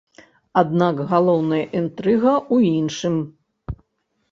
Аднак галоўная інтрыга ў іншым.